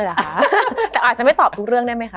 มันทำให้ชีวิตผู้มันไปไม่รอด